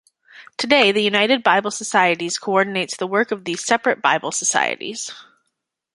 Today the United Bible Societies co-ordinates the work of these separate Bible Societies.